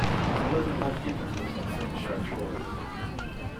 There wasn't much impetus to finish our chores.